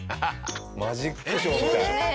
マジックショーみたい。